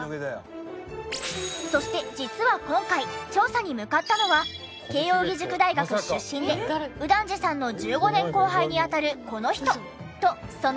そして実は今回調査に向かったのは慶應義塾大学出身で右團次さんの１５年後輩に当たるこの人とその相方。